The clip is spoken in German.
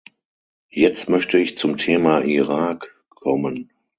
Jetzt möchte ich zum Thema Irak kommen.